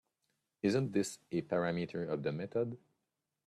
Isn’t this a parameter of the method?